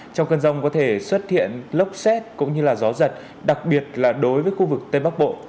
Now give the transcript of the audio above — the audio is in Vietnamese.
trong cơn rông có thể xuất hiện lốc xét cũng như gió giật đặc biệt là đối với khu vực tây bắc bộ